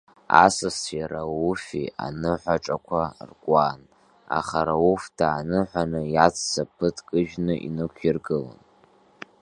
Асасцәеи Рауфи аныҳәаҿақәа ркуан, аха Рауф дааныҳәаны иаҵәца ԥыҭк ыжәны инықәиргылон.